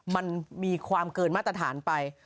มันมีความเกินมาตรฐานไป